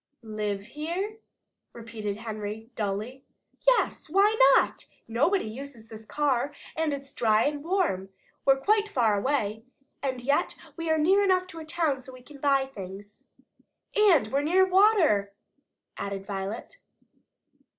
"Live here?" repeated Henry dully. "Yes! Why not?" replied Jess. "Nobody uses this car, and it's dry and warm. We're quite far away. And yet we are near enough to a town so we can buy things." "And we're near water," added Violet.